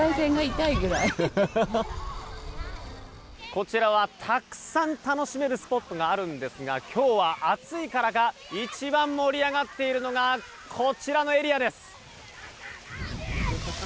こちらは、たくさん楽しめるスポットがあるんですが今日は、暑いからか一番盛り上がっているのがこちらのエリアです！